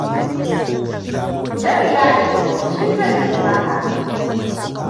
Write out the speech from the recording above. Jami ta ce shi zai yi maka.